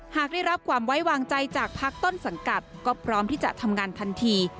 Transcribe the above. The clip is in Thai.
หากได้รับความไว้วางใจจากพักต้นสังกัดก็พร้อมที่จะทำงานทันที